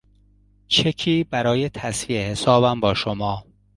چکی برای تسویهی حسابم با شما